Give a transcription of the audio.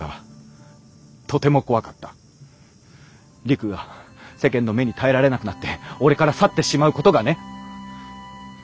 陸が世間の目に耐えられなくなって俺から去ってしまうことがね。